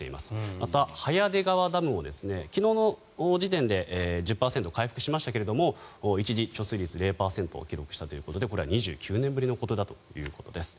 また、早出川ダムも昨日の時点で１０％回復しましたが一時、貯水率０％を記録したということでこれは２９年ぶりのことだということです。